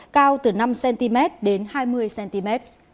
cao từ năm cm đến hai mươi cm